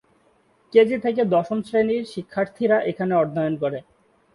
KG থেকে দশম শ্রেণির শিক্ষার্থীরা এখানে অধ্যয়ন করে।